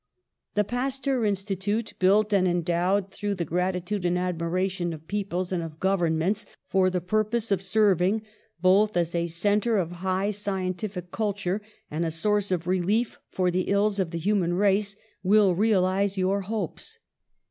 'The Pasteur Institute, built and endowed through the gratitude and admiration of peo ples and of governments, for the purpose of serving both as a centre of high scientific cul ture and as a source of relief for the ills of the human race, will realise your hopes.